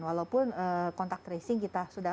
walaupun kontak tracing kita sudah